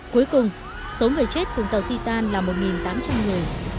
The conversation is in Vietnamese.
cuối cùng số người chết cùng tàu titan là một tám trăm linh người